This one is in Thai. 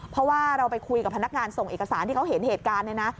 เพราะว่าเราไปคุยกับพนักงานส่งเอกสารที่เขาเห็นเหตุการณ์เนี่ยนะ